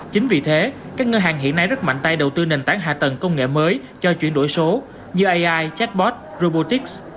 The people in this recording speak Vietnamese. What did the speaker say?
chính vì thế các ngân hàng hiện nay rất mạnh tay đầu tư nền tảng hạ tầng công nghệ mới cho chuyển đổi số như ai chatbot robotics